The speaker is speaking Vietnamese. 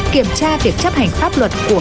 kiểm tra việc chấp hành pháp luật của